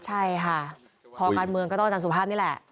ใช่ค่ะคอการเมืองก็ต้องอาจารย์สุภาพนี่แหละ